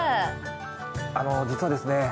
あの実はですね